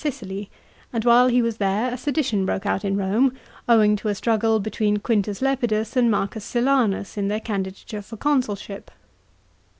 51 Sicily, and while he was there a sedition broke out in Rome, owing to a struggle between Q. Lepidus and M. Silanus in their candi dature for consulship.